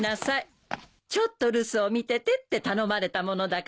「ちょっと留守を見てて」って頼まれたものだから。